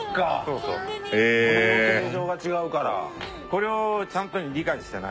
これをちゃんと理解してないと。